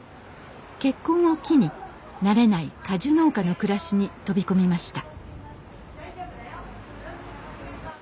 結婚を機に慣れない果樹農家の暮らしに飛び込みました。